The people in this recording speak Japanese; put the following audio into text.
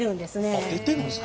あっ出てるんすか。